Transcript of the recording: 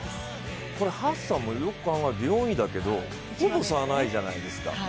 ハッサンもよく考えると３位だけどほぼ差はないじゃないですか。